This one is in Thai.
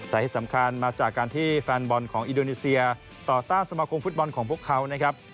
แต่ที่สำคัญมาจากการที่แฟนบอลของอินโดนีเซียต่อต้านสมาคมฟุตบอลของพวกเขานะครับ